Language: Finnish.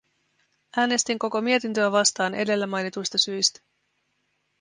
Äänestin koko mietintöä vastaan edellä mainituista syistä.